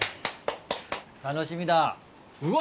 楽しみだうわ！